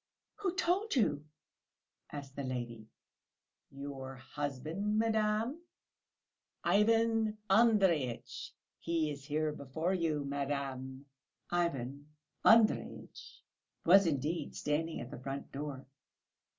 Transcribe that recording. "Who told you?" asked the lady. "Your husband, madam, Ivan Andreyitch; he is here before you, madam...." Ivan Andreyitch was indeed standing at the front door.